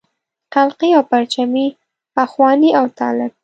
خلقي او پرچمي اخواني او طالب.